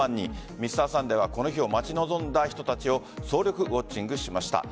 「Ｍｒ．サンデー」はこの日を待ち望んだ人たちを総力ウォッチングしました。